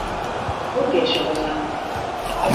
«Пургедше» воза